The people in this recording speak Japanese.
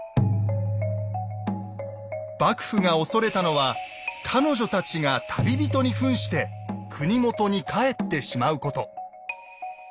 幕府が恐れたのは彼女たちが旅人にふんして国元に帰ってしまうこと。